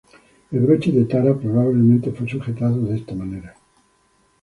El Broche de Tara probablemente fue sujetado de esta manera.